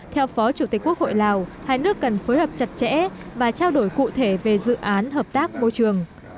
theo phó chủ tịch quốc hội lào hai nước cần phối hợp chặt chẽ và trao đổi cụ thể về dự án hợp tác môi trường